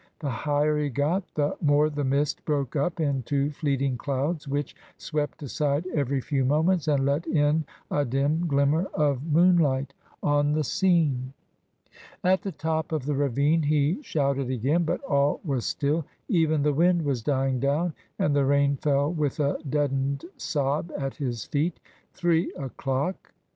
The higher he got the more the mist broke up into fleeting clouds, which swept aside every few moments and let in a dim glimmer of moonlight on the scene. At the top of the ravine he shouted again; but all was still. Even the wind was dying down, and the rain fell with a deadened sob at his feet. Three o'clock!